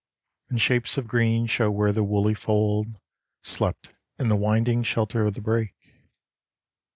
And shapes of green show where the woolly fold Slept in the winding shelter of the brake.